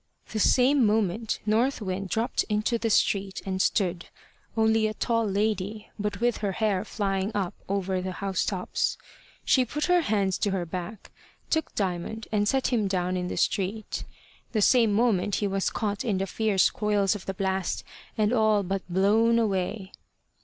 The same moment North Wind dropt into the street and stood, only a tall lady, but with her hair flying up over the housetops. She put her hands to her back, took Diamond, and set him down in the street. The same moment he was caught in the fierce coils of the blast, and all but blown away.